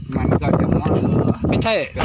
ไม่ใช่